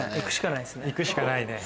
いくしかないね。